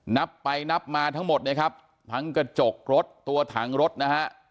นับไปนับมาทั้งหมดเนี่ยครับทั้งกระจกรถตัวถังรถนะฮะ